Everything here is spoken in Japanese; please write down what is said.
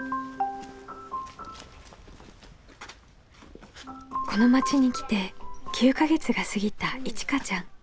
この町に来て９か月が過ぎたいちかちゃん。